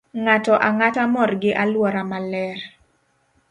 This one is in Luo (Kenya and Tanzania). Ng'ato ang'ata mor gi alwora maler.